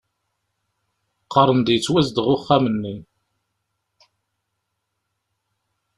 Qqaren-d yettwazdeɣ uxxam-nni